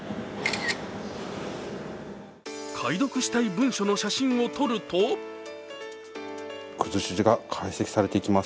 解読したい文書の写真を撮るとくずし字が解析されていきます。